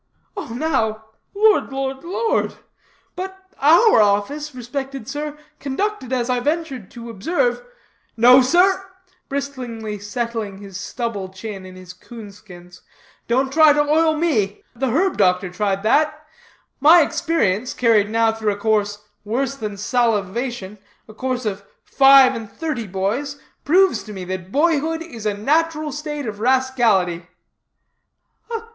"Oh, now! Lord, Lord, Lord! But our office, respected sir, conducted as I ventured to observe " "No, sir," bristlingly settling his stubble chin in his coon skins. "Don't try to oil me; the herb doctor tried that. My experience, carried now through a course worse than salivation a course of five and thirty boys, proves to me that boyhood is a natural state of rascality."